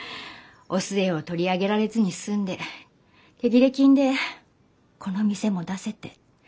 お寿恵を取り上げられずに済んで手切れ金でこの店も出せて。